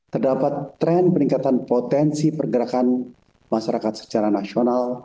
terdapat tren peningkatan potensi pergerakan masyarakat secara nasional